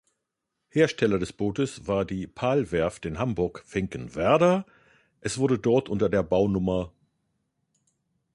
Hersteller des Bootes war die Pahl-Werft in Hamburg-Finkenwerder, es wurde dort unter der Bau-Nr.